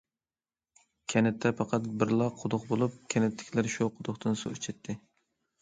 كەنتتە پەقەت بىرلا قۇدۇق بولۇپ، كەنتتىكىلەر شۇ قۇدۇقتىن سۇ ئىچەتتى.